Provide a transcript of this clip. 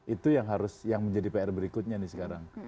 itu yang harus yang menjadi pr berikutnya nih sekarang